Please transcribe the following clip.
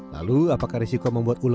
lalu apakah risiko membuat ular